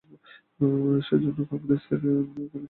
সেই জন্যই কংগ্রেস সবার সঙ্গে কথা বলে জমি আইন পাস করেছিল।